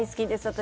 私